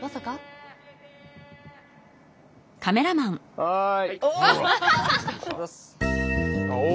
はい。